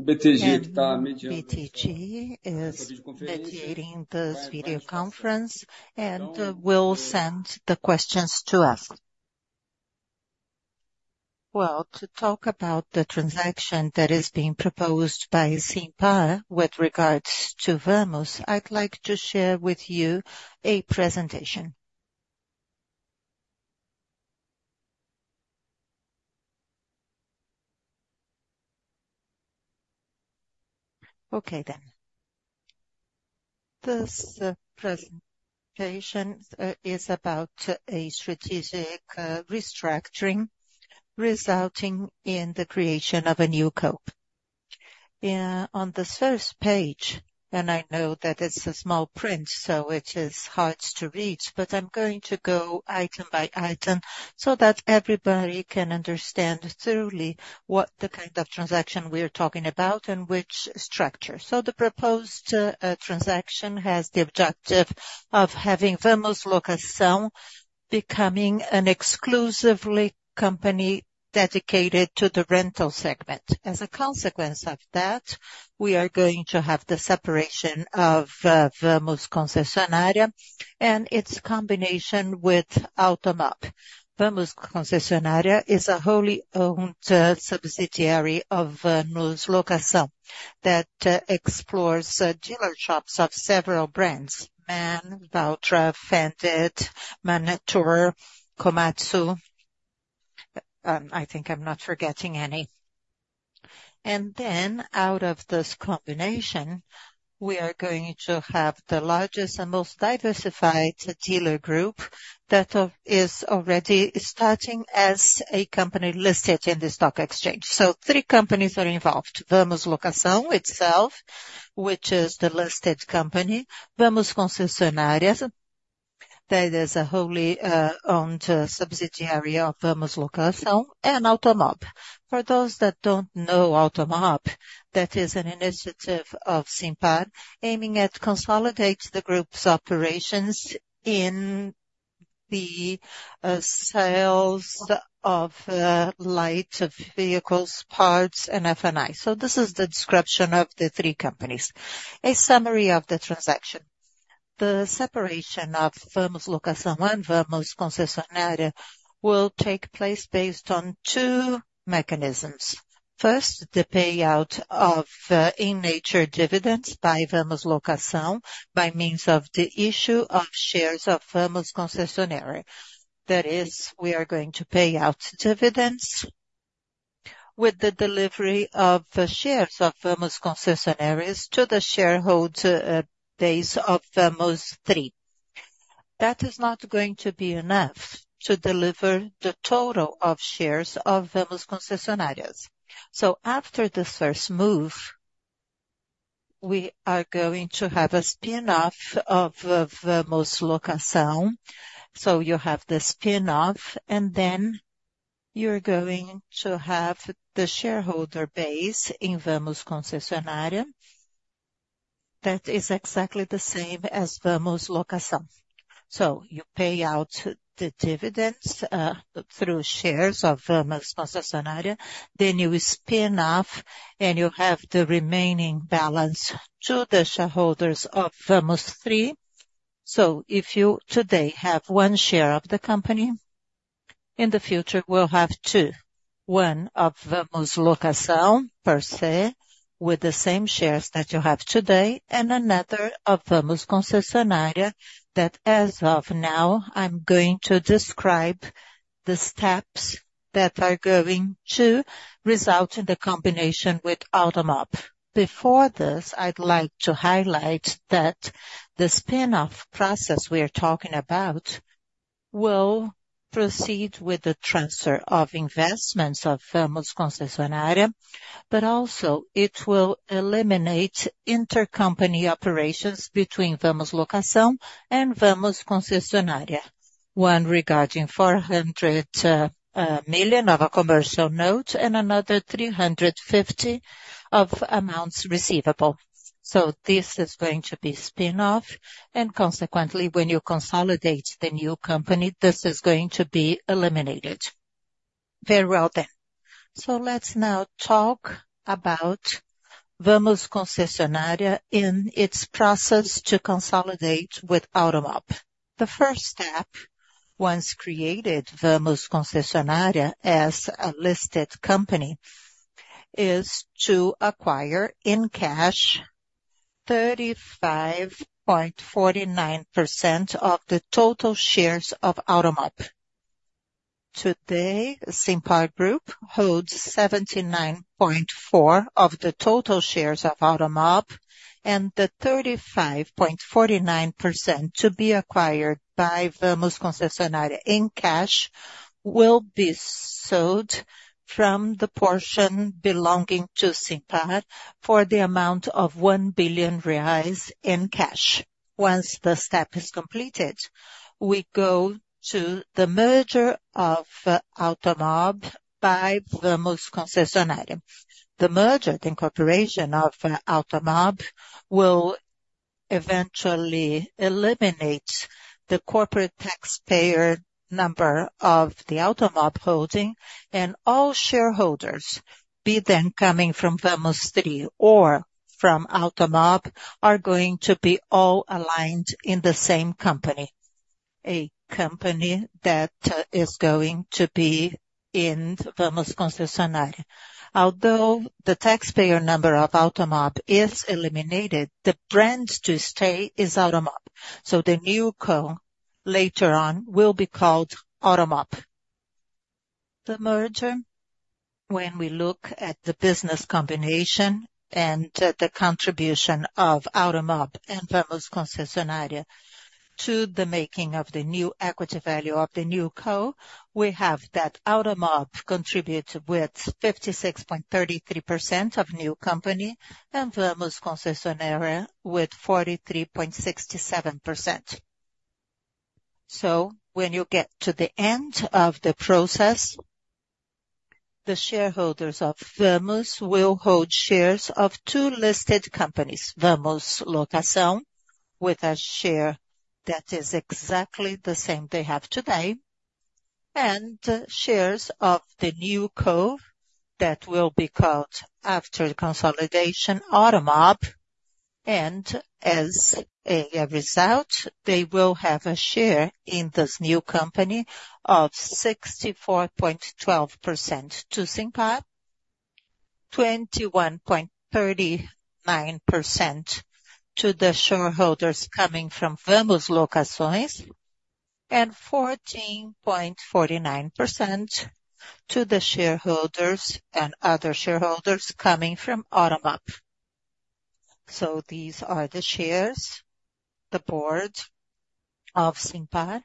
BTG is mediating this video conference and will send the questions to us. To talk about the transaction that is being proposed by Simpar, with regards to Vamos, I'd like to share with you a presentation. Okay, then. This presentation is about a strategic restructuring, resulting in the creation of a new NewCo. On this first page, and I know that it's a small print, so it is hard to read, but I'm going to go item by item so that everybody can understand thoroughly what the kind of transaction we are talking about and which structure. So the proposed transaction has the objective of having Vamos Locação becoming an exclusive company dedicated to the rental segment. As a consequence of that, we are going to have the separation of Vamos Concessionárias and its combination with Automob. Vamos Concessionárias is a wholly-owned subsidiary of Vamos Locação, that operates dealer shops of several brands: MAN, Valtra, Fendt, Manitou, Komatsu. I think I'm not forgetting any. And then out of this combination, we are going to have the largest and most diversified dealer group, that is already starting as a company listed in the stock exchange. So three companies are involved: Vamos Locação itself, which is the listed company, Vamos Concessionárias, that is a wholly owned subsidiary of Vamos Locação, and Automob. For those that don't know Automob, that is an initiative of Simpar, aiming at consolidate the group's operations in the sales of light vehicles, parts and F&I. So this is the description of the three companies. A summary of the transaction. The separation of Vamos Locação and Vamos Concessionárias will take place based on two mechanisms. First, the payout of in-nature dividends by Vamos Locação, by means of the issue of shares of Vamos Concessionárias. That is, we are going to pay out dividends with the delivery of the shares of Vamos Concessionárias to the shareholder base of VAMO3. That is not going to be enough to deliver the total of shares of Vamos Concessionárias. So after this first move, we are going to have a spin-off of Vamos Locação. So you have the spin-off, and then you're going to have the shareholder base in Vamos Concessionárias. That is exactly the same as Vamos Locação. So you pay out the dividends through shares of Vamos Concessionárias, then you spin-off, and you have the remaining balance to the shareholders of VAMO3. If you, today, have one share of the company, in the future you will have two: one of Vamos Locação, per se, with the same shares that you have today, and another of Vamos Concessionárias, that, as of now, I'm going to describe the steps that are going to result in the combination with Automob. Before this, I'd like to highlight that the spin-off process we are talking about will proceed with the transfer of investments of Vamos Concessionárias, but also it will eliminate intercompany operations between Vamos Locação and Vamos Concessionárias. One regarding 400 million of a commercial note and another 350 million of amounts receivable. This is going to be spin-off, and consequently, when you consolidate the new company, this is going to be eliminated. Very well, then. Let's now talk about Vamos Concessionárias in its process to consolidate with Automob. The first step, once created Vamos Concessionárias as a listed company, is to acquire, in cash, 35.49% of the total shares of Automob. Today, Simpar group holds 79.4% of the total shares of Automob, and the 35.49% to be acquired by Vamos Concessionárias in cash, will be sold from the portion belonging to Simpar for the amount of 1 billion reais in cash. Once the step is completed, we go to the merger of Automob by Vamos Concessionárias. The merger, the incorporation of Automob, will eventually eliminate the corporate taxpayer number of the Automob holding, and all shareholders, be them coming from VAMO3 or from Automob, are going to be all aligned in the same company, a company that is going to be in Vamos Concessionárias. Although the taxpayer number of Automob is eliminated, the brand to stay is Automob. So the NewCo later on will be called Automob. The merger, when we look at the business combination and at the contribution of Automob and Vamos Concessionárias to the making of the new equity value of the NewCo, we have that Automob contributes with 56.33% of new company, and Vamos Concessionárias with 43.67%. So when you get to the end of the process, the shareholders of Vamos will hold shares of two listed companies, Vamos Locação, with a share that is exactly the same they have today, and shares of the NewCo, that will be called after consolidation, Automob. As a result, they will have a share in this new company of 64.12% to Simpar, 21.39% to the shareholders coming from Vamos Locação, and 14.49% to the shareholders and other shareholders coming from Automob. These are the shares. The board of Simpar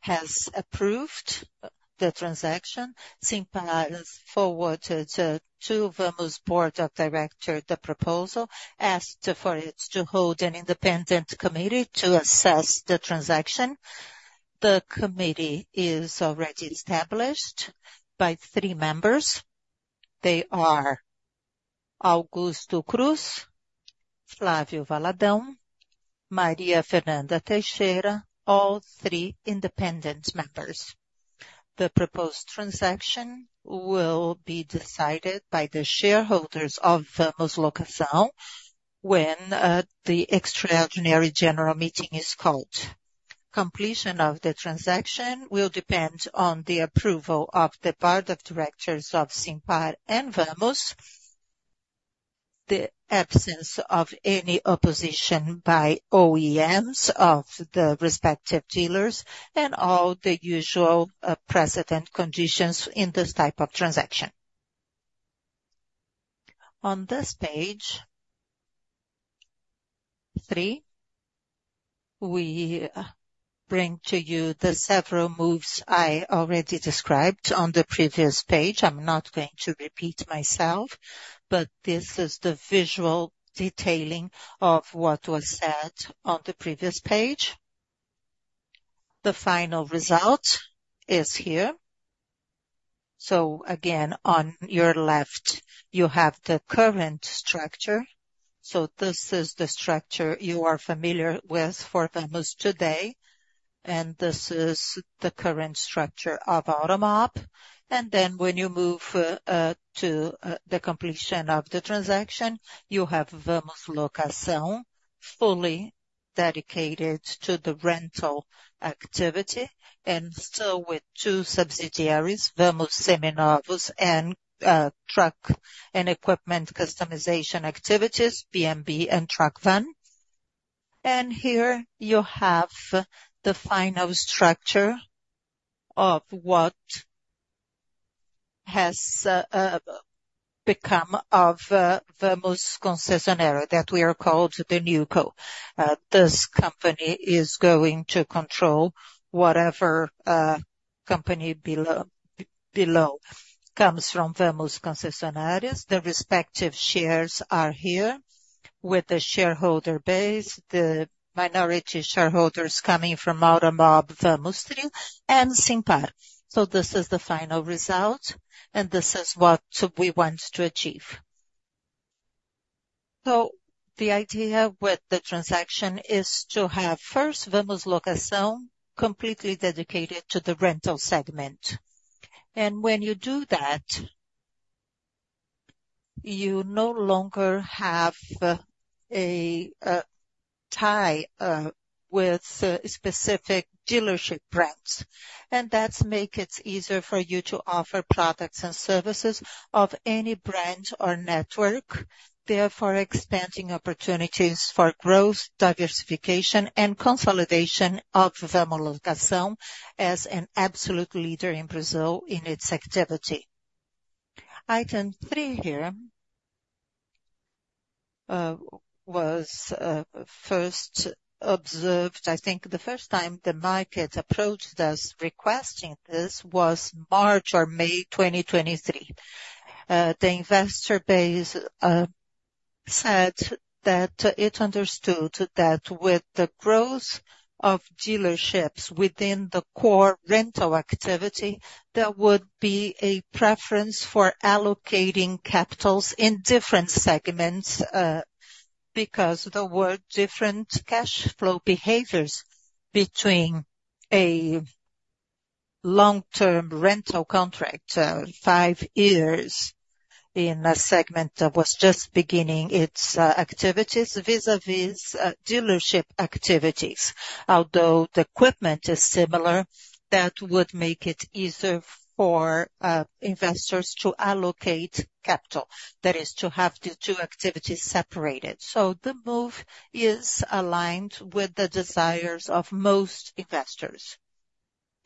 has approved the transaction. Simpar has forwarded to Vamos board of directors the proposal, asked for it to hold an independent committee to assess the transaction. The committee is already established by three members. They are Augusto Cruz, Flávio Valadão, Maria Fernanda Teixeira, all three independent members. The proposed transaction will be decided by the shareholders of Vamos Locação when the extraordinary general meeting is called. Completion of the transaction will depend on the approval of the board of directors of Simpar and Vamos, the absence of any opposition by OEMs of the respective dealers, and all the usual precedent conditions in this type of transaction. On this page three, we bring to you the several moves I already described on the previous page. I'm not going to repeat myself, but this is the visual detailing of what was said on the previous page. The final result is here. So again, on your left, you have the current structure. So this is the structure you are familiar with for Vamos today, and this is the current structure of Automob. And then when you move to the completion of the transaction, you have Vamos Locação fully dedicated to the rental activity, and still with two subsidiaries, Vamos Seminovos and truck and equipment customization activities, VMB and Truckvan. And here you have the final structure of what has become of Vamos Concessionárias, that we are called the NewCo. This company is going to control whatever company below comes from Vamos Concessionárias. The respective shares are here with the shareholder base, the minority shareholders coming from Automob, VAMO3 and Simpar. So this is the final result, and this is what we want to achieve. So the idea with the transaction is to have first Vamos Locação completely dedicated to the rental segment. And when you do that, you no longer have a tie with specific dealership brands, and that's make it easier for you to offer products and services of any brand or network, therefore expanding opportunities for growth, diversification and consolidation of Vamos Locação as an absolute leader in Brazil in its activity. Item three here was first observed. I think the first time the market approached us requesting this was March or May 2023. The investor base said that it understood that with the growth of dealerships within the core rental activity, there would be a preference for allocating capitals in different segments, because there were different cash flow behaviors between a long-term rental contract, five years in a segment that was just beginning its activities vis-à-vis, dealership activities. Although the equipment is similar, that would make it easier for investors to allocate capital. That is, to have the two activities separated. So the move is aligned with the desires of most investors.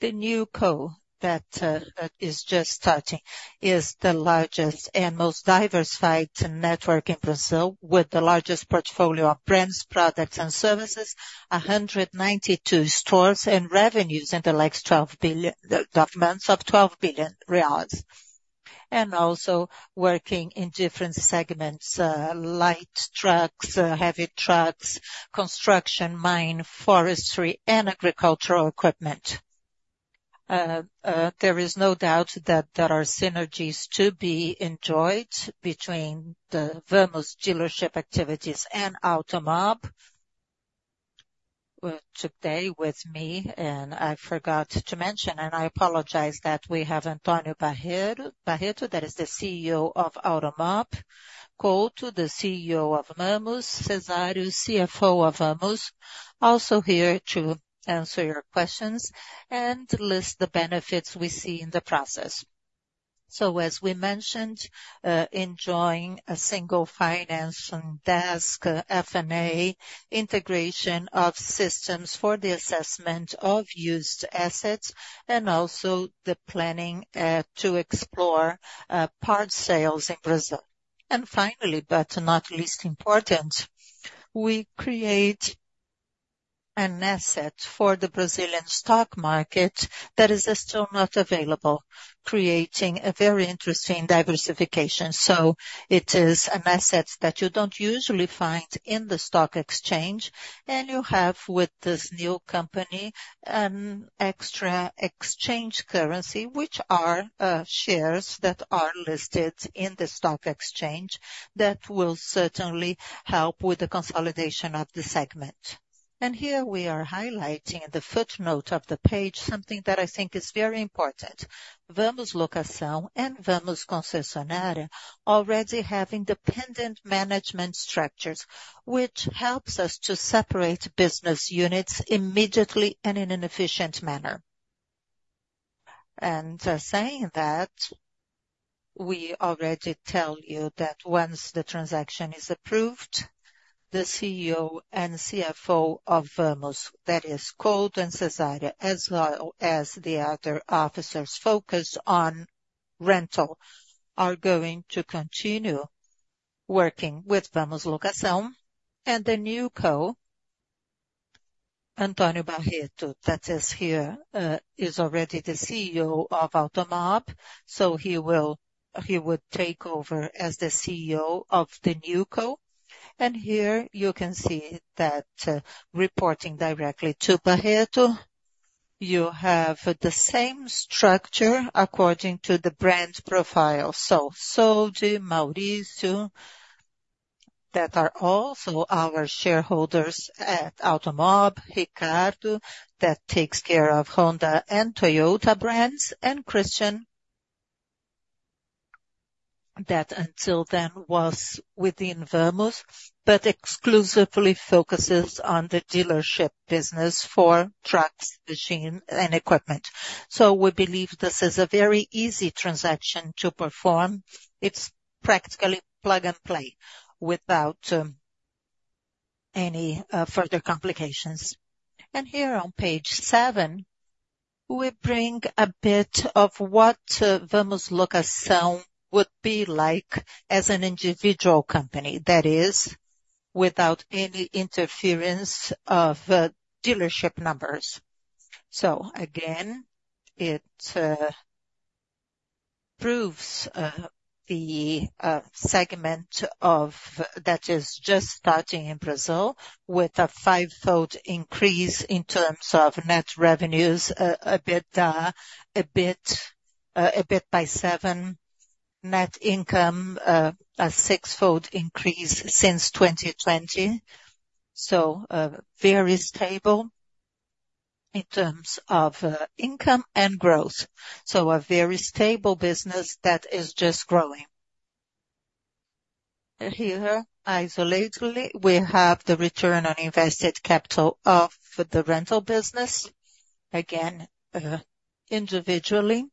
The NewCo that is just starting is the largest and most diversified network in Brazil, with the largest portfolio of brands, products and services, 192 stores and revenues in the last twelve months of 12 billion reais. And also working in different segments, light trucks, heavy trucks, construction, mining, forestry, and agricultural equipment. There is no doubt that there are synergies to be enjoyed between the Vamos dealership activities and Automob. Today with me, and I forgot to mention, and I apologize, that we have Antonio Barreto, Barreto, that is the CEO of Automob, Couto, the CEO of Vamos, Cezário, CFO of Vamos, also here to answer your questions and list the benefits we see in the process. As we mentioned, enjoying a single financing desk, F&A, integration of systems for the assessment of used assets, and also the planning to explore parts sales in Brazil. Finally, but not least important, we create an asset for the Brazilian stock market that is still not available, creating a very interesting diversification. It is an asset that you don't usually find in the stock exchange, and you have, with this new company, extra exchange currency, which are shares that are listed in the stock exchange. That will certainly help with the consolidation of the segment. Here we are highlighting in the footnote of the page, something that I think is very important. Vamos Locação and Vamos Concessionárias already have independent management structures, which helps us to separate business units immediately and in an efficient manner. Saying that, we already tell you that once the transaction is approved, the CEO and CFO of Vamos, that is Couto and Cezário, as well as the other officers focused on rental, are going to continue working with Vamos Locação and the NewCo. Antonio Barreto, that is here, is already the CEO of Automob, so he would take over as the CEO of the NewCo. Here you can see that, reporting directly to Barreto, you have the same structure according to the brand profile. Solti, Mauricio, that are also our shareholders at Automob, Ricardo, that takes care of Honda and Toyota brands, and Christian, that until then was within Vamos, but exclusively focuses on the dealership business for trucks, machines, and equipment. We believe this is a very easy transaction to perform. It's practically plug and play without any further complications. Here on page seven, we bring a bit of what Vamos Locação would be like as an individual company, that is, without any interference of dealership numbers. Again, it proves the segment that is just starting in Brazil, with a fivefold increase in terms of net revenues, a bit by seven. Net income a sixfold increase since 2020. Very stable in terms of income and growth. So a very stable business that is just growing. And here, isolatedly, we have the return on invested capital of the rental business. Again, individually,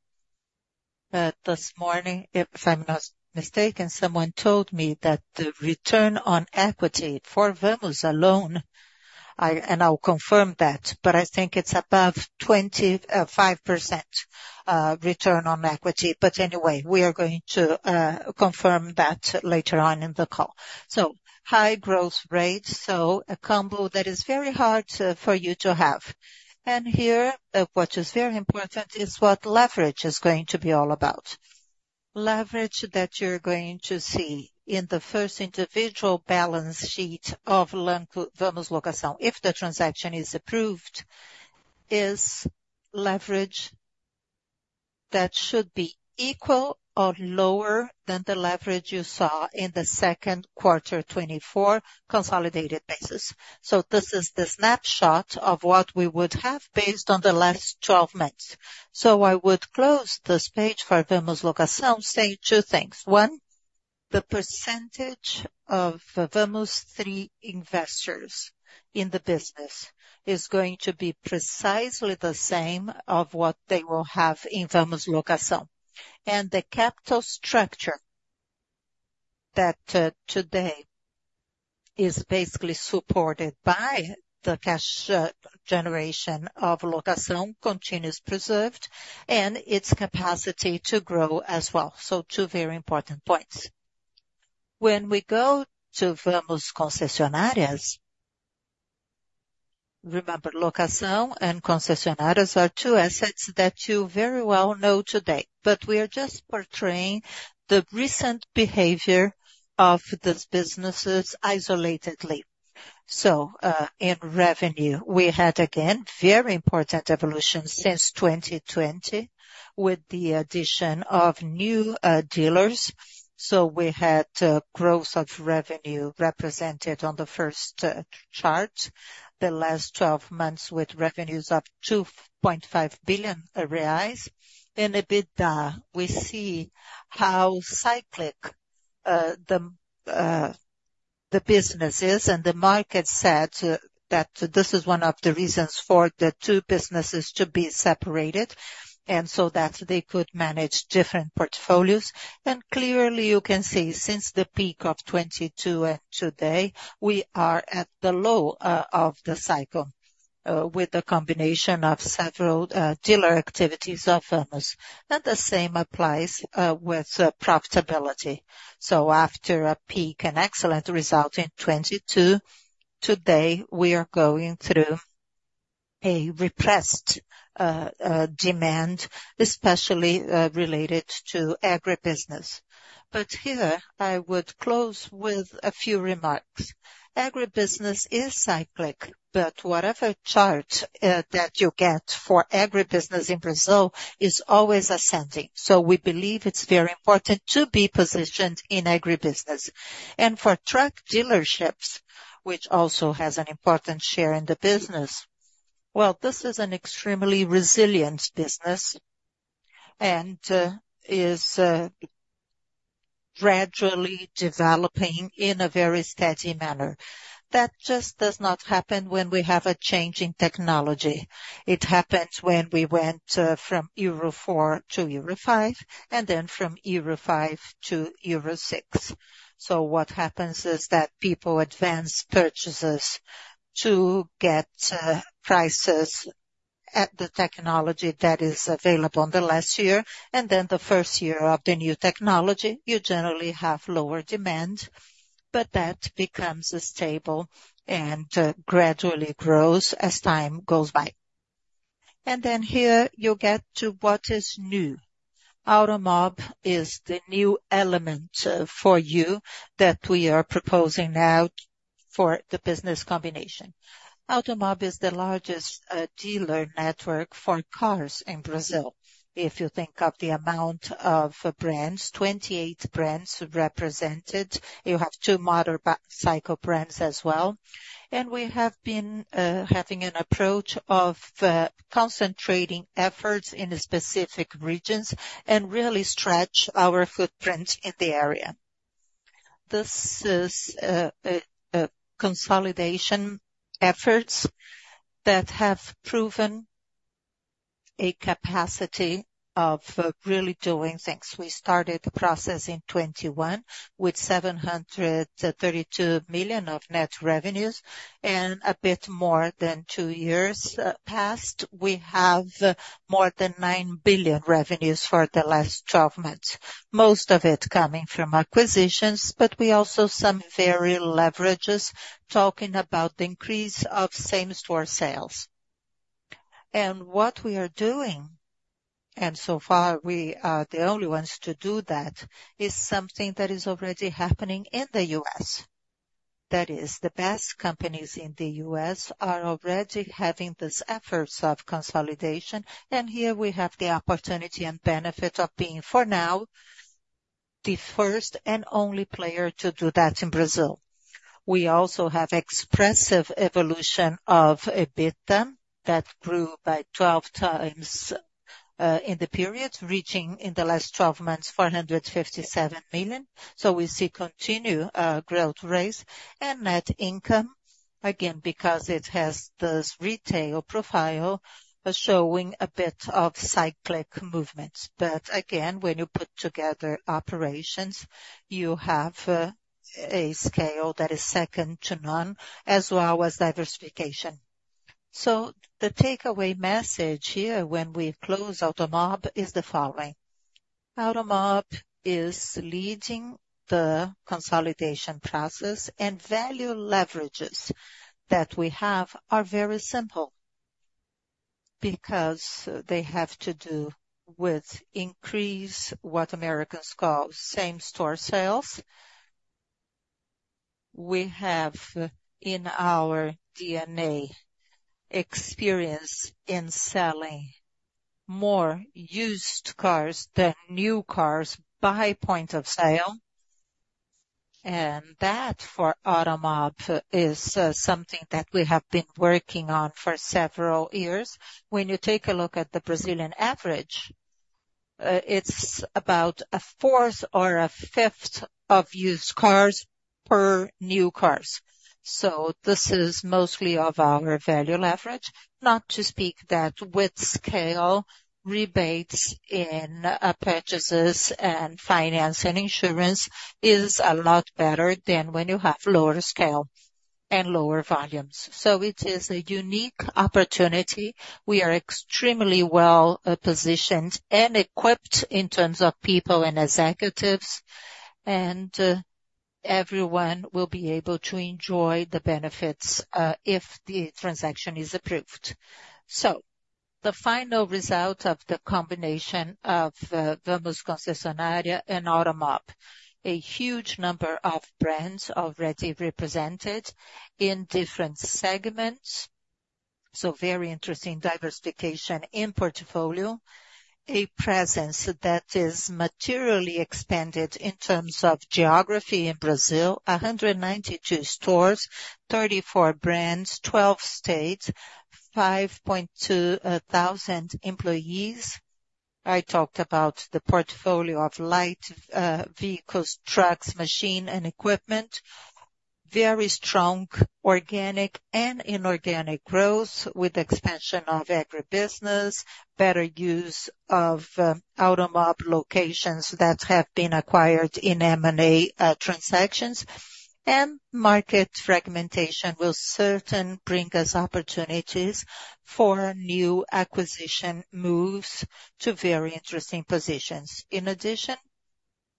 this morning, if I'm not mistaken, someone told me that the return on equity for Vamos alone, and I'll confirm that, but I think it's above 25% return on equity. But anyway, we are going to confirm that later on in the call. So high growth rate, so a combo that is very hard to, for you to have. And here, what is very important is what leverage is going to be all about. Leverage that you're going to see in the first individual balance sheet of Vamos Locação, if the transaction is approved, is leverage that should be equal or lower than the leverage you saw in the second quarter 2024 consolidated basis. This is the snapshot of what we would have based on the last twelve months. I would close this page for Vamos Locação, saying two things: one, the percentage of VAMO3 investors in the business is going to be precisely the same of what they will have in Vamos Locação. The capital structure that, today is basically supported by the cash generation of Locação continues preserved, and its capacity to grow as well. Two very important points. When we go to Vamos Concessionárias, remember, Locação and Concessionárias are two assets that you very well know today, but we are just portraying the recent behavior of these businesses isolatedly. In revenue, we had, again, very important evolution since 2020, with the addition of new dealers. We had growth of revenue represented on the first chart, the last twelve months, with revenues of 2.5 billion reais. In EBITDA, we see how cyclical the business is, and the market said that this is one of the reasons for the two businesses to be separated, and so that they could manage different portfolios. Clearly, you can see since the peak of 2022, today, we are at the low of the cycle with a combination of several dealer activities of Vamos. The same applies with profitability. After a peak and excellent result in 2022, today, we are going through a repressed demand, especially related to agribusiness. Here, I would close with a few remarks. Agribusiness is cyclic, but whatever chart that you get for agribusiness in Brazil is always ascending. So we believe it's very important to be positioned in agribusiness, and for truck dealerships, which also has an important share in the business, well, this is an extremely resilient business and is gradually developing in a very steady manner. That just does not happen when we have a change in technology. It happened when we went from Euro 4 to Euro 5, and then from Euro 5 to Euro 6, so what happens is that people advance purchases to get prices at the technology that is available in the last year, and then the first year of the new technology, you generally have lower demand, but that becomes stable and gradually grows as time goes by, and then here you get to what is new. Automob is the new element, for you that we are proposing now for the business combination. Automob is the largest dealer network for cars in Brazil. If you think of the amount of brands, 28 brands represented, you have two motorcycle brands as well, and we have been having an approach of concentrating efforts in specific regions and really stretch our footprint in the area. This is consolidation efforts that have proven a capacity of really doing things. We started the process in 2021 with 732 million of net revenues, and a bit more than two years passed, we have more than 9 billion revenues for the last twelve months, most of it coming from acquisitions, but we also some very leverages, talking about the increase of same-store sales. And what we are doing, and so far we are the only ones to do that, is something that is already happening in the U.S. That is, the best companies in the U.S. are already having these efforts of consolidation, and here we have the opportunity and benefit of being, for now, the first and only player to do that in Brazil. We also have expressive evolution of EBITDA that grew by twelve times, in the period, reaching in the last twelve months, 457 million. So we see continued, growth rates and net income, again, because it has this retail profile, but showing a bit of cyclic movements. But again, when you put together operations, you have, a scale that is second to none, as well as diversification. The takeaway message here when we close Automob is the following: Automob is leading the consolidation process, and value levers that we have are very simple, because they have to do with increase, what Americans call same-store sales. We have in our DNA experience in selling more used cars than new cars by point of sale, and that for Automob is something that we have been working on for several years. When you take a look at the Brazilian average, it's about a fourth or a fifth of used cars per new cars. So this is most of our value leverage. Not to mention that with scale, rebates in purchases and finance and insurance is a lot better than when you have lower scale and lower volumes. So it is a unique opportunity. We are extremely well positioned and equipped in terms of people and executives, and everyone will be able to enjoy the benefits if the transaction is approved, so the final result of the combination of Vamos Concessionárias and Automob, a huge number of brands already represented in different segments, so very interesting diversification in portfolio. A presence that is materially expanded in terms of geography in Brazil, 192 stores, 34 brands, 12 states, 5.2 thousand employees. I talked about the portfolio of light vehicles, trucks, machinery and equipment. Very strong organic and inorganic growth with expansion of agribusiness, better use of Automob locations that have been acquired in M&A transactions, and market fragmentation will certainly bring us opportunities for new acquisition moves to very interesting positions. In addition,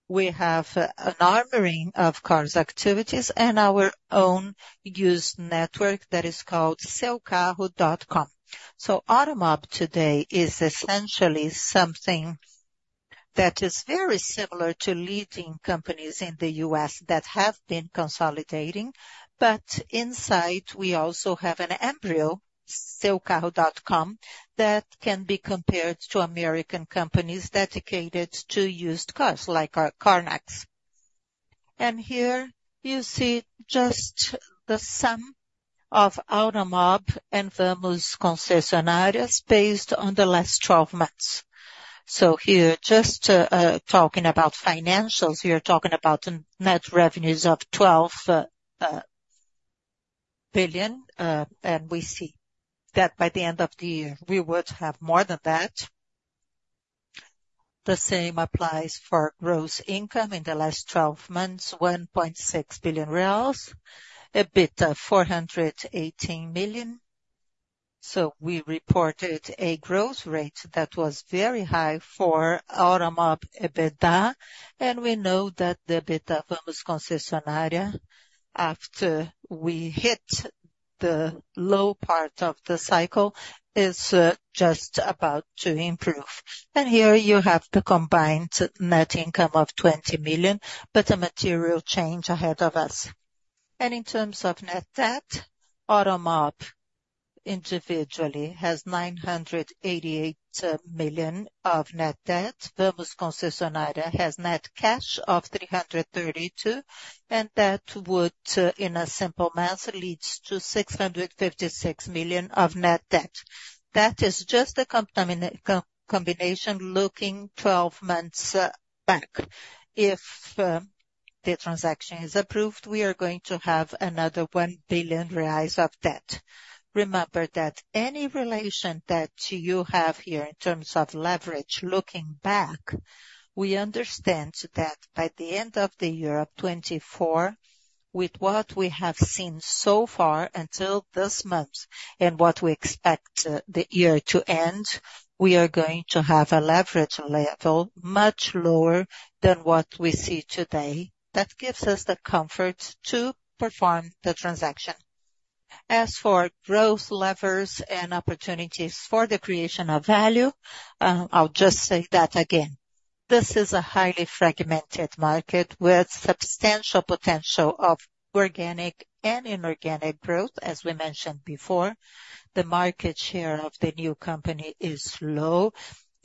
we have an array of car activities and our own used network that is called seucarro.com. So Automob today is essentially something that is very similar to leading companies in the U.S. that have been consolidating, but inside, we also have an embryo, seucarro.com, that can be compared to American companies dedicated to used cars, like CarMax. And here you see just the sum of Automob and Vamos Concessionárias based on the last twelve months. So here, just talking about financials, we are talking about net revenues of 12 billion, and we see that by the end of the year, we would have more than that. The same applies for gross income in the last twelve months, 1.6 billion reais, EBITDA 418 million. So we reported a growth rate that was very high for Automob EBITDA, and we know that the EBITDA Vamos Concessionárias, after we hit the low part of the cycle, is just about to improve. And here you have the combined net income of 20 million, but a material change ahead of us. And in terms of net debt, Automob individually has 988 million of net debt. Vamos Concessionárias has net cash of 332, and that would, in a simple math, leads to 656 million of net debt. That is just a combination looking 12 months back. If the transaction is approved, we are going to have another 1 billion reais of debt. Remember that any relation that you have here in terms of leverage, looking back, we understand that by the end of the year of 2024, with what we have seen so far until this month and what we expect, the year to end, we are going to have a leverage level much lower than what we see today. That gives us the comfort to perform the transaction. As for growth levers and opportunities for the creation of value, I'll just say that again, this is a highly fragmented market with substantial potential of organic and inorganic growth. As we mentioned before, the market share of the new company is low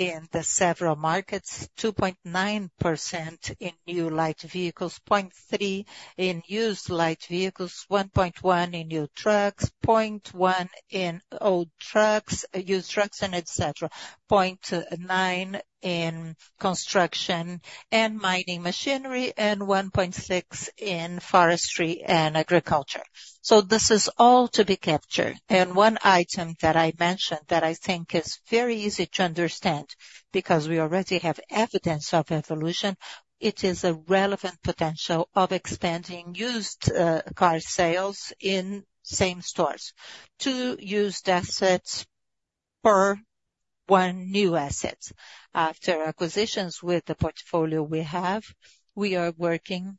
in the several markets, 2.9% in new light vehicles, 0.3% in used light vehicles, 1.1% in new trucks, 0.1% in old trucks, used trucks, and et cetera, 0.9% in construction and mining machinery, and 1.6% in forestry and agriculture. So this is all to be captured. And one item that I mentioned that I think is very easy to understand, because we already have evidence of evolution, it is a relevant potential of expanding used car sales in same-store sales. To used assets per one new asset. After acquisitions with the portfolio we have, we are working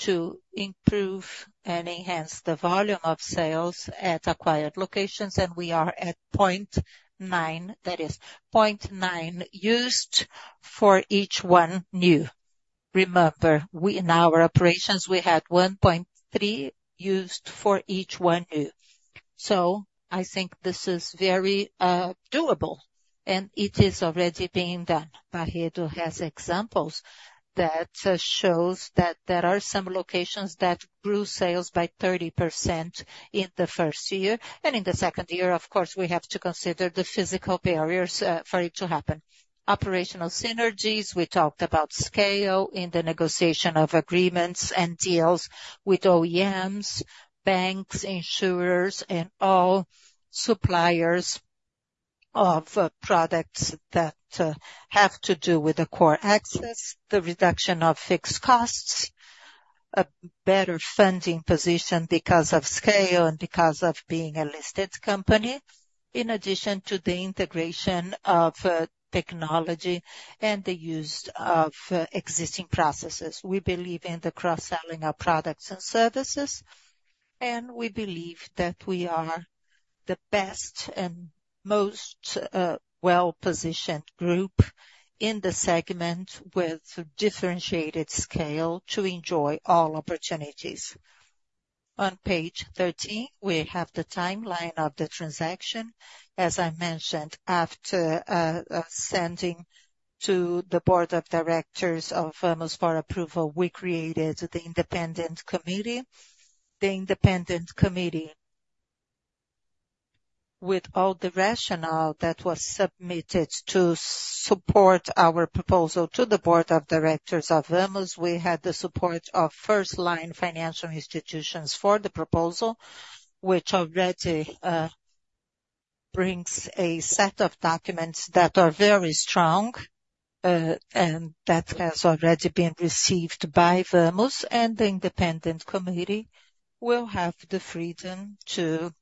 to improve and enhance the volume of sales at acquired locations, and we are at 0.9, that is 0.9, used for each one new. Remember, we, in our operations, we had 1.3 used for each one new. So I think this is very, doable, and it is already being done. Barreto has examples that shows that there are some locations that grew sales by 30% in the first year, and in the second year, of course, we have to consider the physical barriers, for it to happen. Operational synergies, we talked about scale in the negotiation of agreements and deals with OEMs, banks, insurers, and all suppliers of products that have to do with the core access, the reduction of fixed costs, a better funding position because of scale and because of being a listed company, in addition to the integration of technology and the use of existing processes. We believe in the cross-selling of products and services, and we believe that we are the best and most, well-positioned group in the segment, with differentiated scale to enjoy all opportunities. On page thirteen, we have the timeline of the transaction. As I mentioned, after sending to the board of directors of Vamos for approval, we created the independent committee. The independent committee, with all the rationale that was submitted to support our proposal to the board of directors of Vamos, we had the support of first-line financial institutions for the proposal, which already brings a set of documents that are very strong, and that has already been received by Vamos, and the independent committee will have the freedom to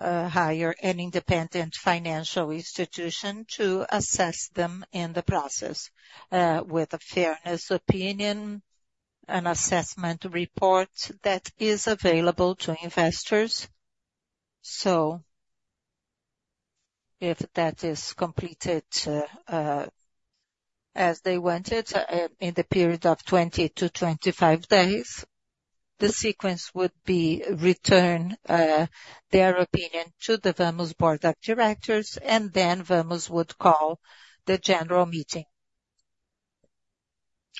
hire an independent financial institution to assess them in the process, with a fairness opinion, an assessment report that is available to investors. If that is completed, as they want it, in the period of 20 to 25 days, the sequence would be return their opinion to the Vamos board of directors, and then Vamos would call the general meeting.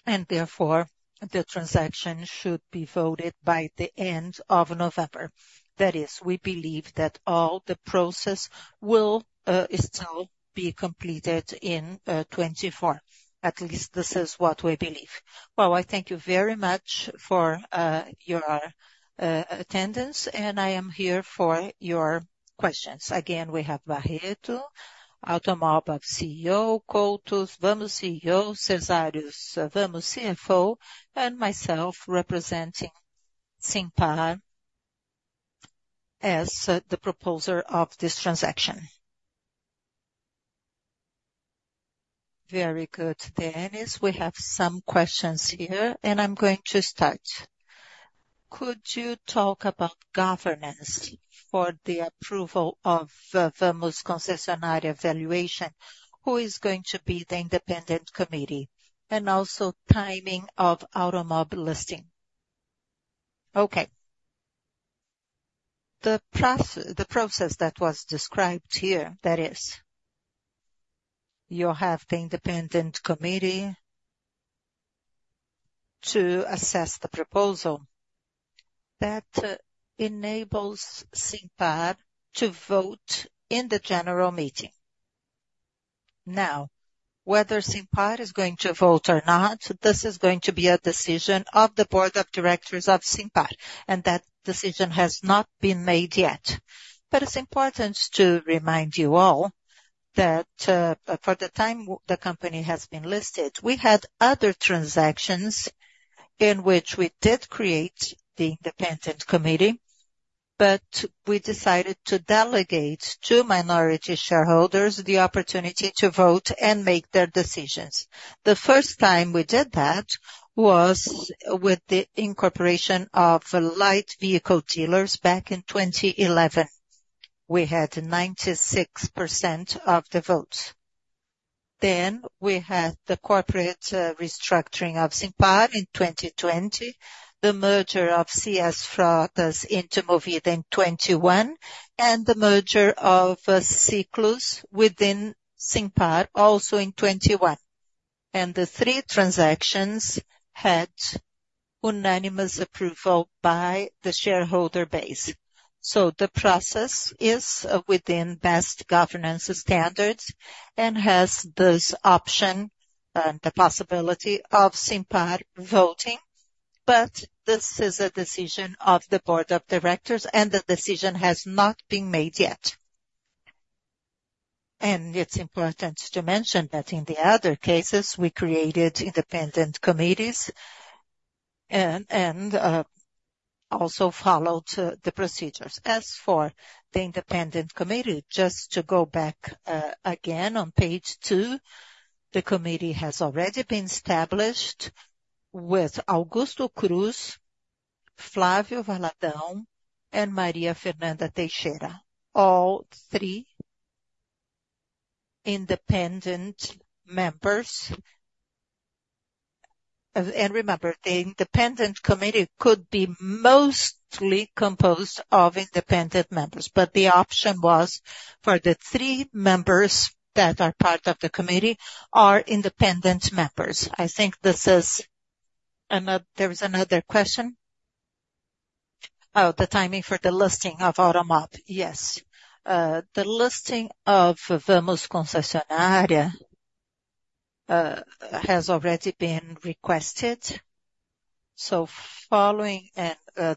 And therefore, the transaction should be voted by the end of November. That is, we believe that all the process will still be completed in 2024. At least this is what we believe. I thank you very much for your attendance, and I am here for your questions. Again, we have Barreto, Automob CEO, Couto, Vamos CEO, Cezário, Vamos CFO, and myself, representing Simpar as the proposer of this transaction. Very good, Dennis. We have some questions here, and I'm going to start. Could you talk about governance for the approval of Vamos Concessionárias valuation? Who is going to be the independent committee, and also timing of Automob listing? Okay. The process that was described here, that is, you have the independent committee to assess the proposal. That enables Simpar to vote in the general meeting. Now, whether Simpar is going to vote or not, this is going to be a decision of the board of directors of Simpar, and that decision has not been made yet. But it's important to remind you all that, for the time the company has been listed, we had other transactions in which we did create the independent committee, but we decided to delegate to minority shareholders the opportunity to vote and make their decisions. The first time we did that was with the incorporation of light vehicle dealers back in 2011. We had 96% of the votes. Then we had the corporate restructuring of Simpar in 2020, the merger of CS Frotas into Movida in 2021, and the merger of Ciclo within Simpar, also in 2021. And the three transactions had unanimous approval by the shareholder base. So the process is within best governance standards and has this option the possibility of Simpar voting, but this is a decision of the board of directors, and the decision has not been made yet. And it's important to mention that in the other cases, we created independent committees and also followed the procedures. As for the independent committee, just to go back again on page two, the committee has already been established with Augusto Cruz, Flávio Valadão, and Maria Fernanda Teixeira, all three independent members. And remember, the independent committee could be mostly composed of independent members, but the option was for the three members that are part of the committee are independent members. I think this is another. There is another question? Oh, the timing for the listing of Automob. Yes. The listing of Vamos Concessionárias has already been requested. So following and, and the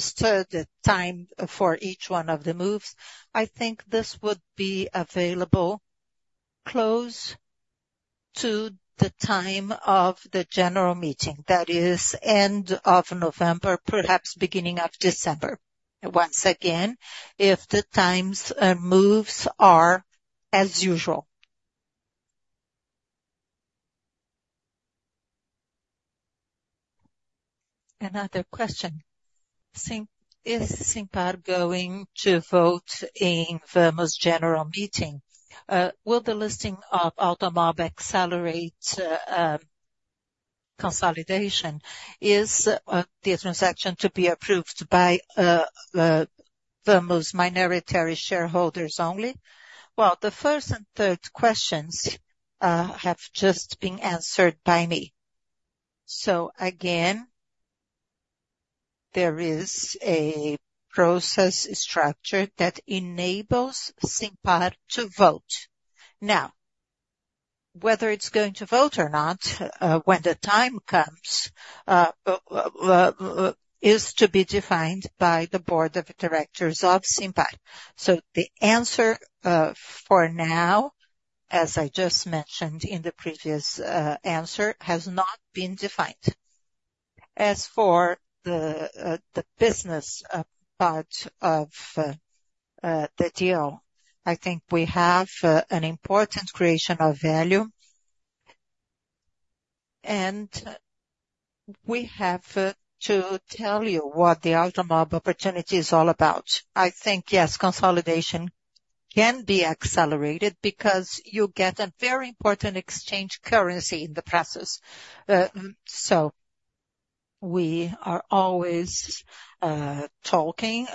third, the time for each one of the moves, I think this would be available close to the time of the general meeting. That is end of November, perhaps beginning of December. Once again, if the times, moves are as usual. Another question: Is Simpar is going to vote in Vamos general meeting? Will the listing of Automob accelerate consolidation? Is the transaction to be approved by Vamos minority shareholders only? The first and third questions have just been answered by me. So again, there is a process structure that enables Simpar to vote. Now, whether it's going to vote or not, when the time comes, is to be defined by the board of directors of Simpar. So the answer, for now, as I just mentioned in the previous answer, has not been defined. As for the business part of the deal, I think we have an important creation of value, and we have to tell you what the Automob opportunity is all about. I think, yes, consolidation can be accelerated because you get a very important exchange currency in the process. So we are always talking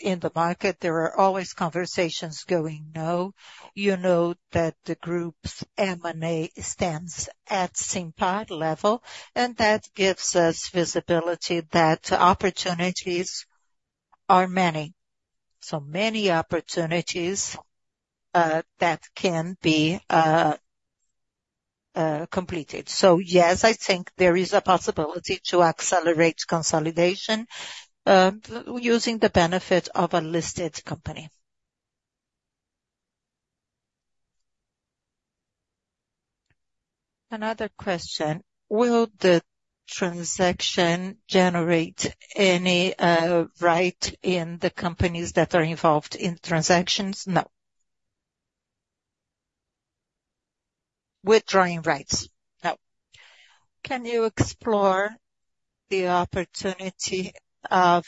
in the market. There are always conversations going. Now, you know that the group's M&A stands at Simpar level, and that gives us visibility that opportunities are many. So many opportunities that can be completed. So yes, I think there is a possibility to accelerate consolidation using the benefit of a listed company. Another question: Will the transaction generate any right in the companies that are involved in transactions? No. Withdrawing rights, no. Can you explore the opportunity of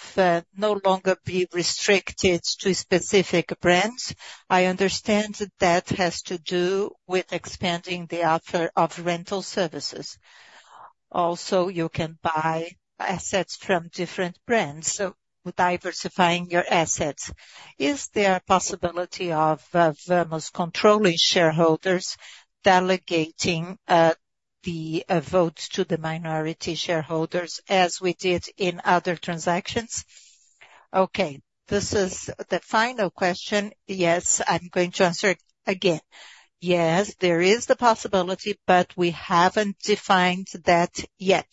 no longer be restricted to specific brands? I understand that, that has to do with expanding the offer of rental services. Also, you can buy assets from different brands, so diversifying your assets. Is there a possibility of Vamos controlling shareholders delegating the votes to the minority shareholders, as we did in other transactions? Okay, this is the final question. Yes, I'm going to answer it again. Yes, there is the possibility, but we haven't defined that yet.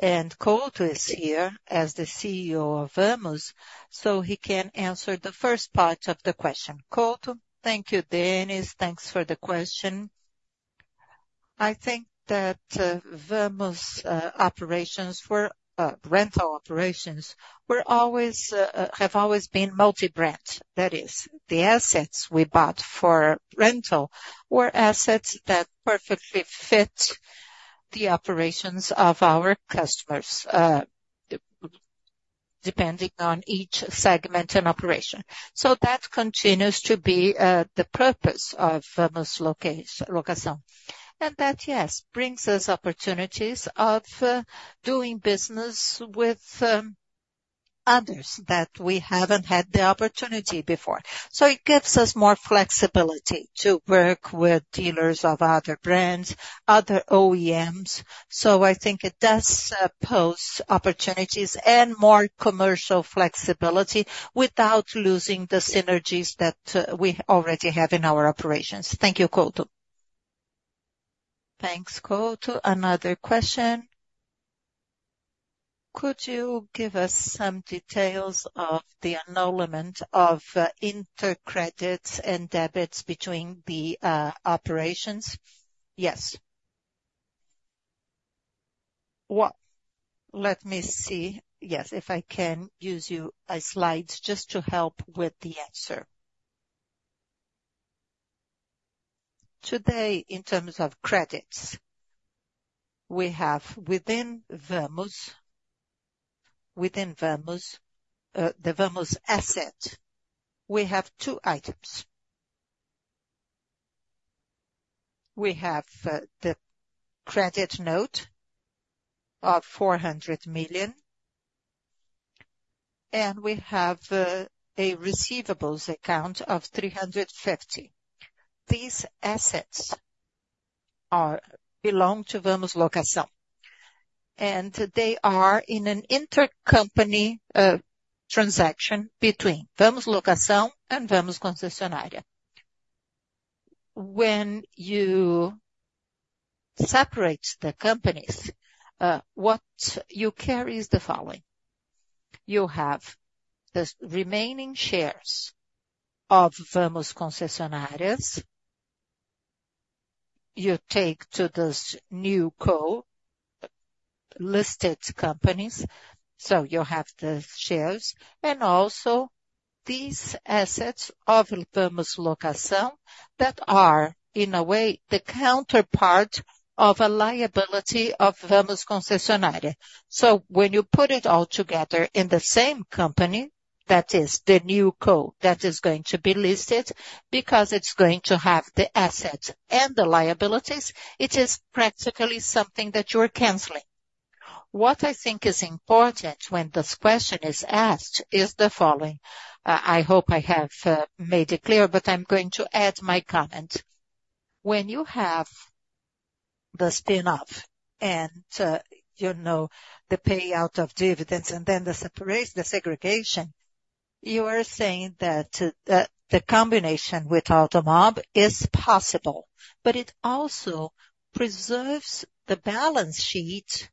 And Couto is here as the CEO of Vamos, so he can answer the first part of the question. Couto? Thank you, Dennis. Thanks for the question. I think that, Vamos, operations were, rental operations, were always, have always been multi-brand. That is, the assets we bought for rental were assets that perfectly fit the operations of our customers, depending on each segment and operation. So that continues to be, the purpose of Vamos Locação. And that, yes, brings us opportunities of, doing business with, others that we haven't had the opportunity before. So it gives us more flexibility to work with dealers of other brands, other OEMs. So I think it does pose opportunities and more commercial flexibility without losing the synergies that we already have in our operations. Thank you, Couto. Thanks, Couto. Another question: Could you give us some details of the annulment of inter-credits and debits between the operations? Yes. Let me see. Yes, if I can use your slides just to help with the answer. Today, in terms of credits, we have within Vamos the Vamos asset, we have two items. We have the credit note of 400 million, and we have a receivables account of 350 million. These assets belong to Vamos Locação, and they are in an intercompany transaction between Vamos Locação and Vamos Concessionárias. When you separate the companies, what you carry is the following: You have the remaining shares of Vamos Concessionárias, you take to this NewCo listed companies, so you have the shares, and also these assets of Vamos Locação, that are, in a way, the counterpart of a liability of Vamos Concessionárias. So when you put it all together in the same company, that is the NewCo, that is going to be listed, because it's going to have the assets and the liabilities, it is practically something that you are canceling. What I think is important when this question is asked is the following. I hope I have made it clear, but I'm going to add my comment. When you have the spin-off and, you know, the payout of dividends and then the separation, the segregation, you are saying that, the combination with Automob is possible, but it also preserves the balance sheet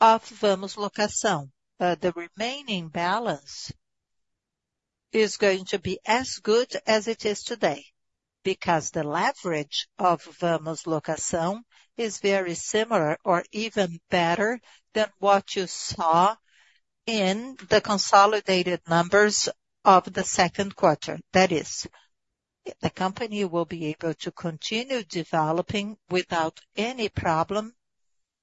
of Vamos Locação. The remaining balance is going to be as good as it is today, because the leverage of Vamos Locação is very similar or even better than what you saw in the consolidated numbers of the second quarter. That is, the company will be able to continue developing without any problem,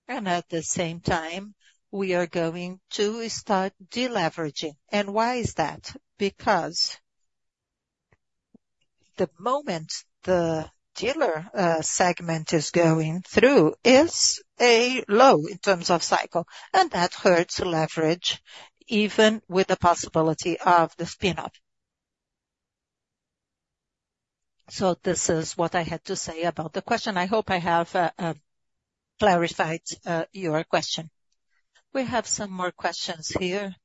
and at the same time, we are going to start deleveraging. And why is that? Because the moment the dealer segment is going through is a low in terms of cycle, and that hurts leverage, even with the possibility of the spin-off. So this is what I had to say about the question. I hope I have clarified your question. We have some more questions here.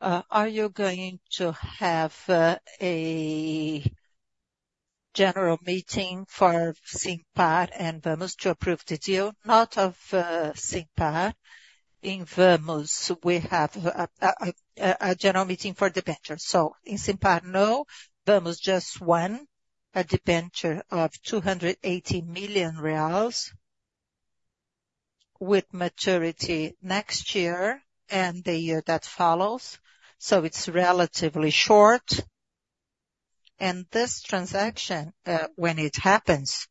Are you going to have a general meeting for Simpar and Vamos to approve the deal? Not of Simpar. In Vamos, we have a general meeting for debenture. So in Simpar, no, Vamos just won a debenture of 280 million reais with maturity next year and the year that follows, so it's relatively short. This transaction, when it happens,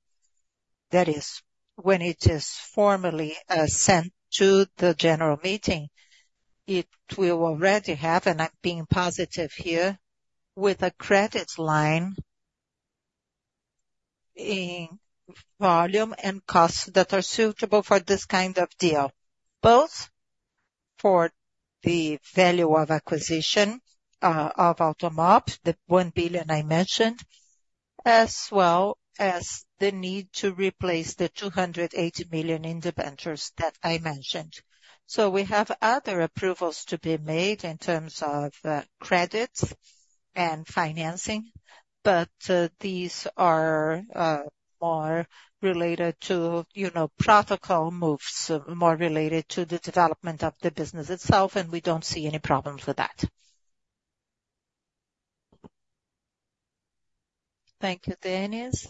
that is, when it is formally sent to the general meeting, it will already have, and I'm being positive here, with a credit line in volume and costs that are suitable for this kind of deal, both for the value of acquisition of Automob, the 1 billion I mentioned, as well as the need to replace the 280 million in debentures that I mentioned. We have other approvals to be made in terms of credits and financing, but these are more related to, you know, protocol moves, more related to the development of the business itself, and we don't see any problem with that. Thank you, Dennis.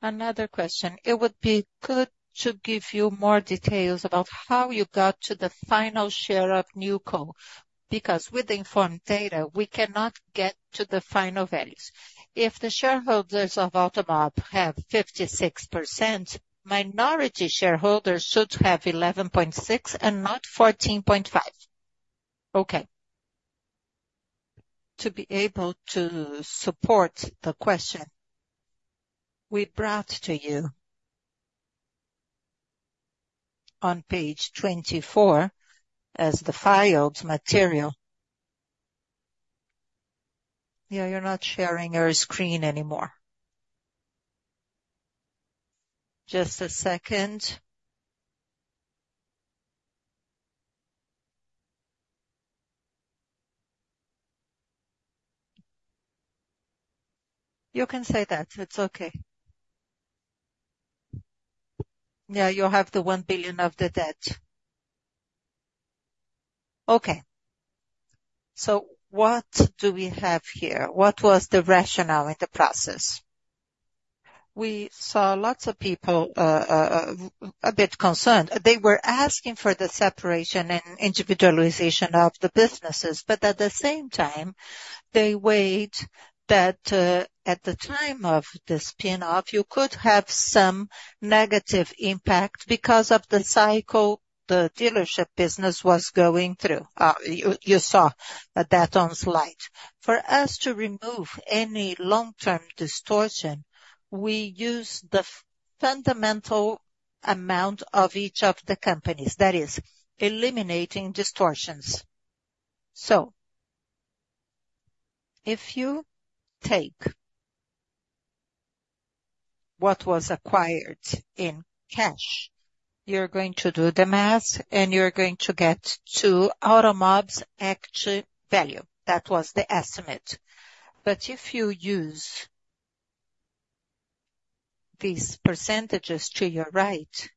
Another question: It would be good to give you more details about how you got to the final share of NewCo, because with the informed data, we cannot get to the final values. If the shareholders of Automob have 56%, minority shareholders should have 11.6% and not 14.5%. Okay. To be able to support the question, we brought to you on page 24, as the filed material. Yeah, you're not sharing your screen anymore. Just a second. You can say that. It's okay. Yeah, you have the 1 billion of the debt. Okay, so what do we have here? What was the rationale in the process? We saw lots of people, a bit concerned. They were asking for the separation and individualization of the businesses, but at the same time, they weighed that, at the time of the spin-off, you could have some negative impact because of the cycle the dealership business was going through. You saw that on slide. For us to remove any long-term distortion, we use the fundamental amount of each of the companies, that is eliminating distortions. So if you take what was acquired in cash, you're going to do the math, and you're going to get to Automob's actual value. That was the estimate. But if you use these percentages to your right,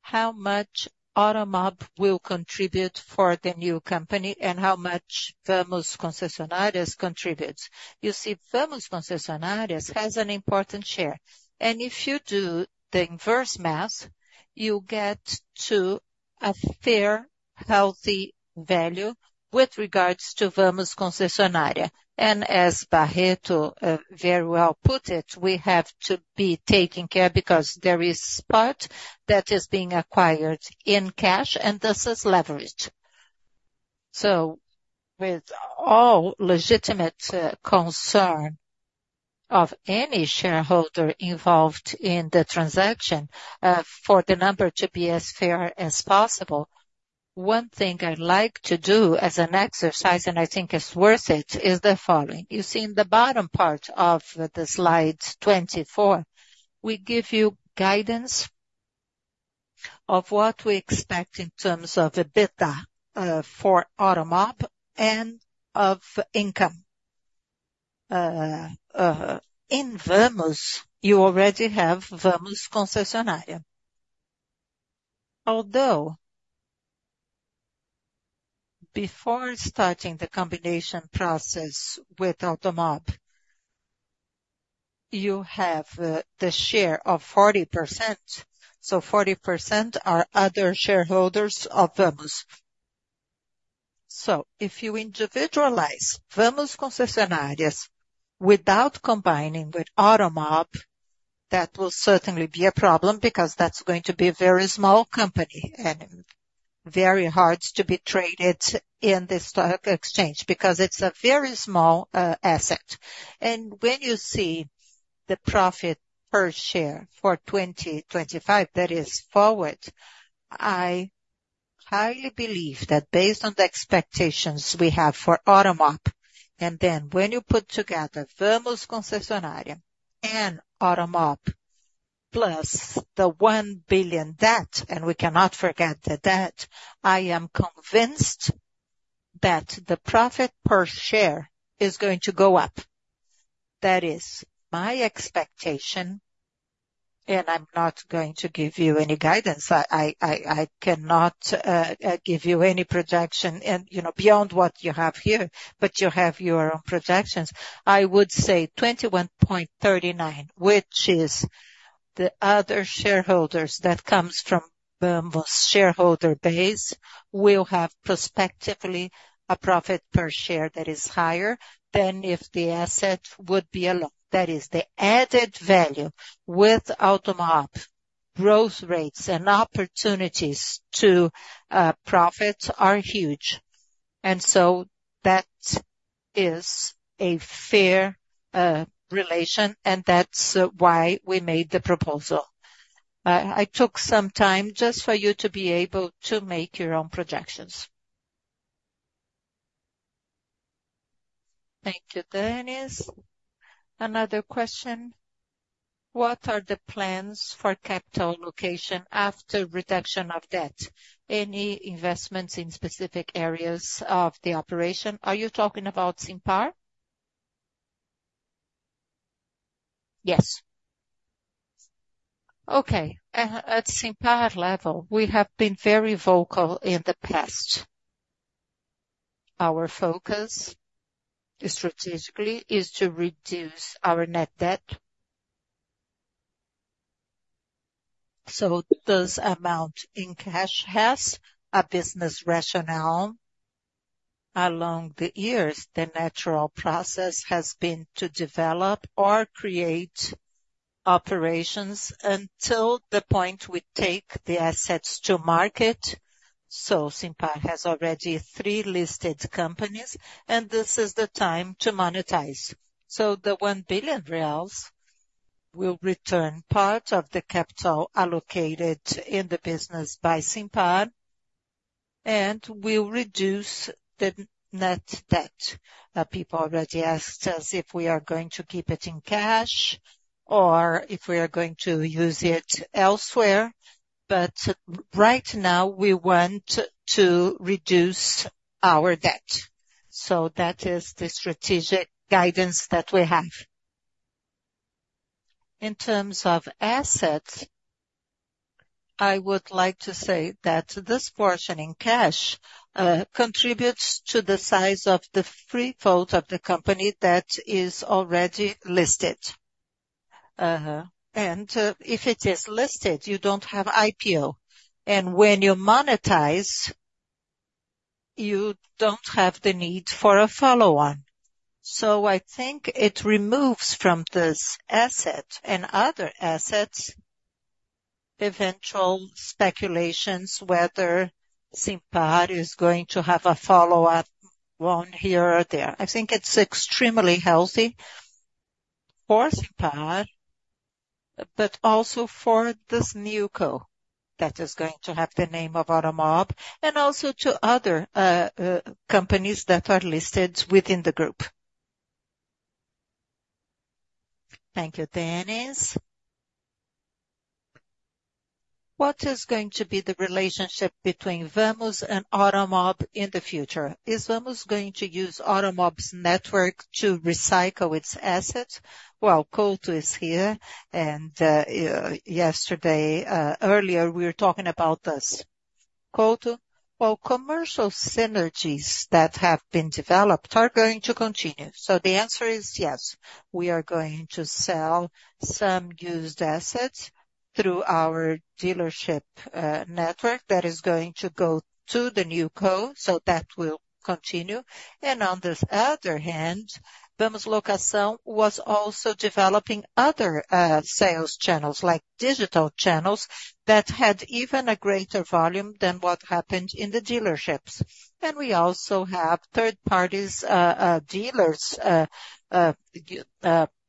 how much Automob will contribute for the new company and how much Vamos Concessionárias contributes? You see, Vamos Concessionárias has an important share, and if you do the inverse math, you get to a fair, healthy value with regards to Vamos Concessionárias. As Barreto very well put it, we have to be taking care because there is part that is being acquired in cash, and this is leverage. So with all legitimate concern of any shareholder involved in the transaction, for the number to be as fair as possible, one thing I'd like to do as an exercise, and I think it's worth it, is the following: You see in the bottom part of the slide twenty-four, we give you guidance of what we expect in terms of EBITDA for Automob and of income. In Vamos, you already have Vamos Concessionárias. Although, before starting the combination process with Automob, you have the share of 40%, so 40% are other shareholders of Vamos. So if you individualize Vamos Concessionárias without combining with Automob, that will certainly be a problem because that's going to be a very small company and very hard to be traded in the stock exchange because it's a very small asset. And when you see the profit per share for 2025, that is forward, I highly believe that based on the expectations we have for Automob, and then when you put together Vamos Concessionárias and Automob, plus the 1 billion debt, and we cannot forget the debt, I am convinced that the profit per share is going to go up. That is my expectation, and I'm not going to give you any guidance. I cannot give you any projection and, you know, beyond what you have here, but you have your own projections. I would say 21.39, which is the other shareholders that comes from Vamos shareholder base, will have prospectively a profit per share that is higher than if the asset would be alone. That is the added value with Automob. Growth rates and opportunities to profit are huge. And so that is a fair relation, and that's why we made the proposal. I took some time just for you to be able to make your own projections. Thank you, Dennis. Another question: What are the plans for capital allocation after reduction of debt? Any investments in specific areas of the operation? Are you talking about Simpar? Yes. Okay. At Simpar level, we have been very vocal in the past. Our focus, strategically, is to reduce our net debt. So this amount in cash has a business rationale. Along the years, the natural process has been to develop or create operations until the point we take the assets to market. So Simpar has already three listed companies, and this is the time to monetize. So the 1 billion reais will return part of the capital allocated in the business by Simpar, and we'll reduce the net debt. People already asked us if we are going to keep it in cash or if we are going to use it elsewhere, but right now, we want to reduce our debt. So that is the strategic guidance that we have. In terms of assets, I would like to say that this portion in cash contributes to the size of the free float of the company that is already listed. And, if it is listed, you don't have IPO. And when you monetize, you don't have the need for a follow-on. So I think it removes from this asset and other assets, eventual speculations, whether Simpar is going to have a follow-up one here or there. I think it's extremely healthy for Simpar, but also for this NewCo, that is going to have the name of Automob, and also to other companies that are listed within the group. Thank you, Dennis. What is going to be the relationship between Vamos and Automob in the future? Is Vamos going to use Automob's network to recycle its assets? Well, Couto is here, and yesterday, earlier, we were talking about this. Couto? Well, commercial synergies that have been developed are going to continue. So the answer is yes. We are going to sell some used assets through our dealership network that is going to go to the NewCo, so that will continue. And on the other hand, Vamos Locação was also developing other sales channels, like digital channels, that had even a greater volume than what happened in the dealerships. And we also have third parties, dealers,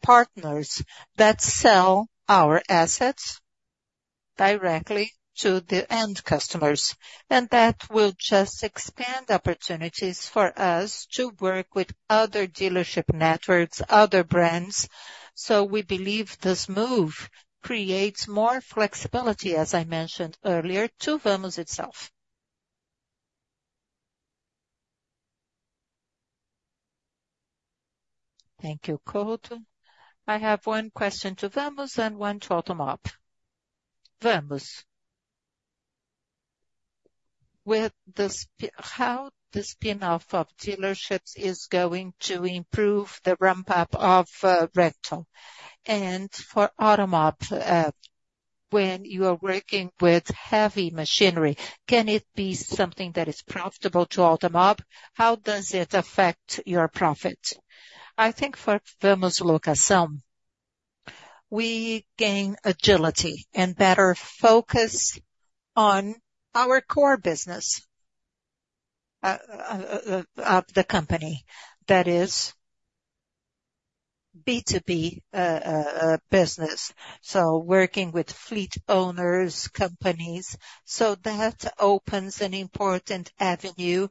partners that sell our assets directly to the end customers. And that will just expand opportunities for us to work with other dealership networks, other brands. So we believe this move creates more flexibility, as I mentioned earlier, to Vamos itself. Thank you, Couto. I have one question to Vamos and one to Automob. Vamos, with the spin-off, how the spin-off of dealerships is going to improve the ramp-up of rental? And for Automob, when you are working with heavy machinery, can it be something that is profitable to Automob? How does it affect your profit? I think for Vamos Locação, we gain agility and better focus on our core business of the company. That is B2B business, so working with fleet owners, companies. So that opens an important avenue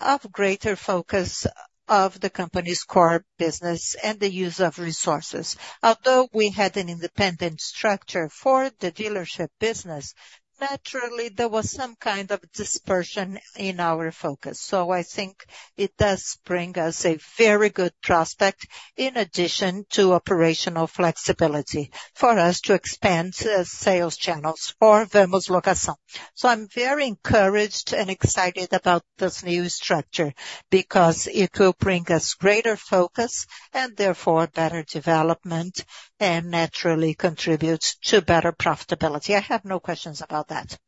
of greater focus of the company's core business and the use of resources. Although we had an independent structure for the dealership business, naturally, there was some kind of dispersion in our focus. So I think it does bring us a very good prospect, in addition to operational flexibility for us to expand sales channels for Vamos Locação. So I'm very encouraged and excited about this new structure because it will bring us greater focus and therefore better development, and naturally contributes to better profitability. I have no questions about that.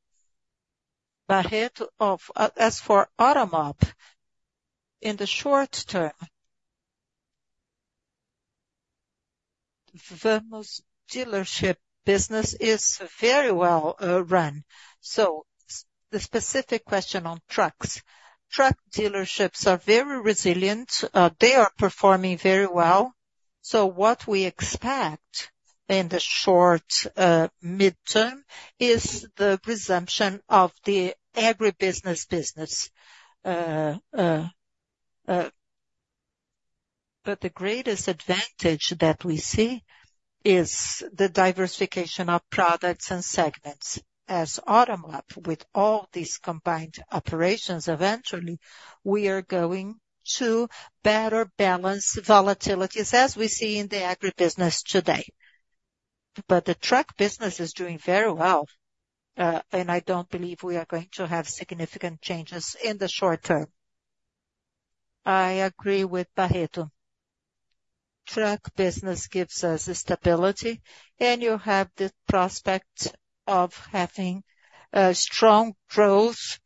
Barreto, as for Automob, in the short term, Vamos dealership business is very well run. So the specific question on trucks. Truck dealerships are very resilient. They are performing very well. So what we expect in the short midterm is the resumption of the agribusiness business. But the greatest advantage that we see is the diversification of products and segments. As Automob, with all these combined operations, eventually, we are going to better balance volatilities as we see in the agribusiness today. But the truck business is doing very well, and I don't believe we are going to have significant changes in the short term. I agree with Barreto. Truck business gives us the stability, and you have the prospect of having strong growth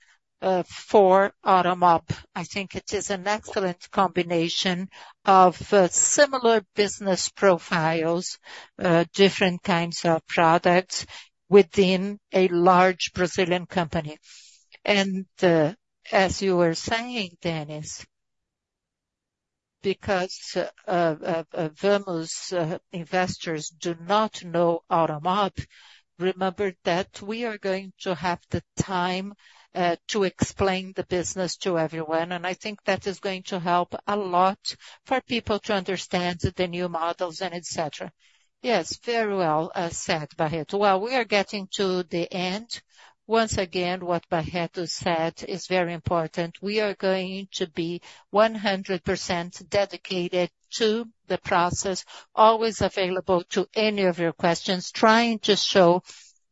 for Automob. I think it is an excellent combination of similar business profiles, different kinds of products within a large Brazilian company. And as you were saying, Dennis, because Vamos investors do not know Automob, remember that we are going to have the time to explain the business to everyone, and I think that is going to help a lot for people to understand the new models and et cetera. Yes, very well said, Barreto. Well, we are getting to the end. Once again, what Barreto said is very important. We are going to be 100% dedicated to the process, always available to any of your questions, trying to show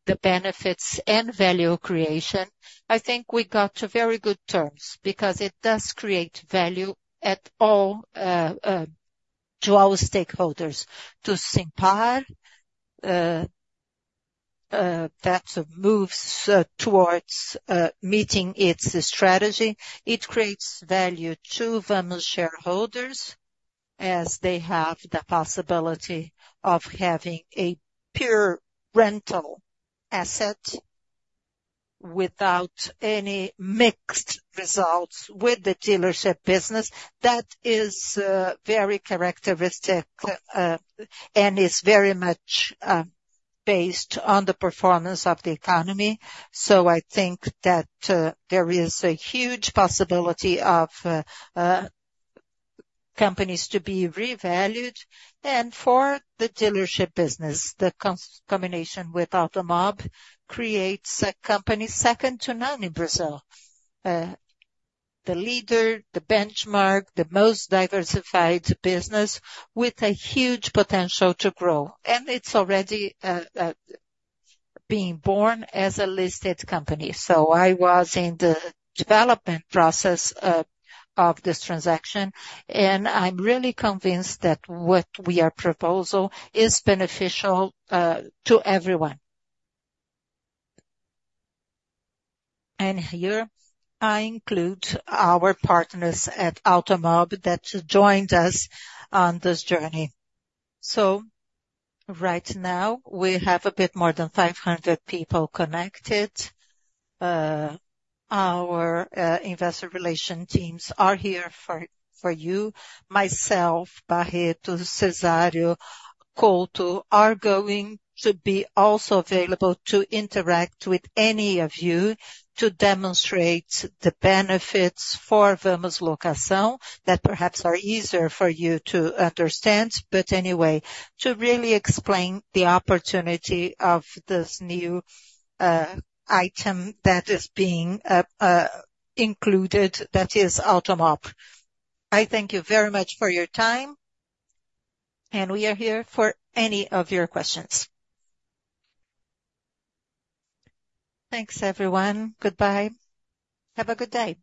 the benefits and value creation. I think we got to very good terms, because it does create value at all to our stakeholders. To Simpar, perhaps it moves towards meeting its strategy. It creates value to Vamos shareholders, as they have the possibility of having a pure rental asset without any mixed results with the dealership business. That is very characteristic, and is very much based on the performance of the economy. So I think that there is a huge possibility of companies to be revalued. And for the dealership business, the combination with Automob creates a company second to none in Brazil. The leader, the benchmark, the most diversified business, with a huge potential to grow, and it's already being born as a listed company. So I was in the development process of this transaction, and I'm really convinced that what we are proposing is beneficial to everyone. And here, I include our partners at Automob, that joined us on this journey. So right now, we have a bit more than 500 people connected. Our investor relations teams are here for you. Myself, Barreto, Cezário, Couto, are going to be also available to interact with any of you, to demonstrate the benefits for Vamos Locação, that perhaps are easier for you to understand. But anyway, to really explain the opportunity of this new item that is being included, that is Automob. I thank you very much for your time, and we are here for any of your questions. Thanks, everyone. Goodbye. Have a good day!